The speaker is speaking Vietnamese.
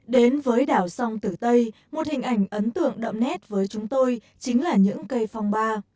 đến với đảo sông tử tây một hình ảnh ấn tượng đậm nét với chúng tôi chính là những cây phong ba